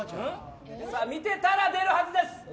見てたら出るはずです。